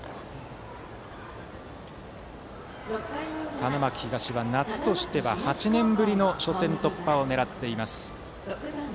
花巻東は夏としては８年ぶりの初戦突破を狙っています。